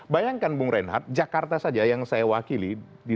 bayangkan bung reinhard jakarta saja yang saya wakili